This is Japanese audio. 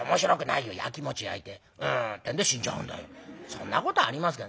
「そんなことありますか？」。